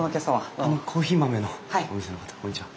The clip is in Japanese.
コーヒー豆のお店の方こんにちは。